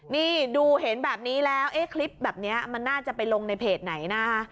นี่ดูเห็นแบบนี้แล้วคลิปแบบนี้มันน่าจะไปลงในเพจไหนนะคะ